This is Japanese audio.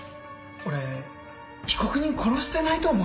俺被告人殺してないと思うな。